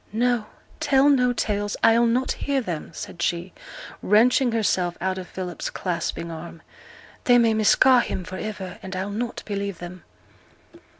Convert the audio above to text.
'No! tell no tales; I'll not hear them,' said she, wrenching herself out of Philip's clasping arm. 'They may misca' him for iver, and I'll not believe 'em.'